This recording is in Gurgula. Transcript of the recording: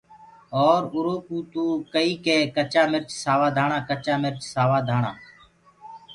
اور اُرو ڪوُ تو ڪئيٚ ڪي چآ مِرچ سوآ ڌآڻآ ڪچآ مرچ سوآ ڌآڻآ۔